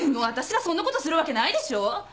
私がそんなことするわけないでしょ？